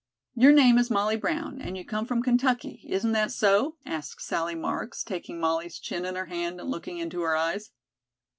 "Your name is 'Molly Brown,' and you come from Kentucky, isn't that so?" asked Sally Marks, taking Molly's chin in her hand and looking into her eyes.